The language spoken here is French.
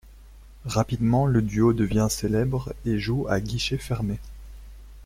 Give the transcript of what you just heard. Rapidement le duo devient célèbre et joue à guichet fermé.